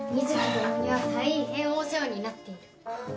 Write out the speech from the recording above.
どのには大変お世話になっている。